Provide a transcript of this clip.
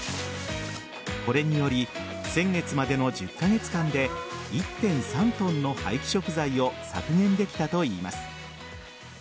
これにより先月までの１０カ月間で１．３ｔの廃棄食材を削減できたといいます。